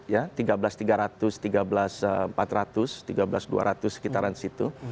ya tiga belas tiga ratus tiga belas empat ratus tiga belas dua ratus sekitaran situ